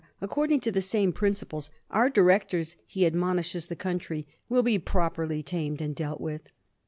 according to the same principle, our directors, he admonishes the country, will be properly tamed and dealt with.